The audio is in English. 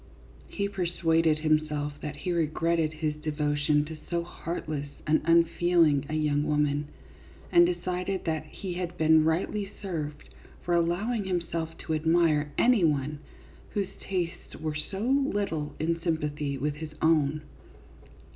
He persuaded himself that he re gretted his devotion to so heartless and unfeeling a young woman, and decided that he had been rightly served for allowing himself to admire any one whose tastes were so little in sympathy with his own.